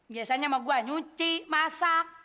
biasanya mah gua nyuci masak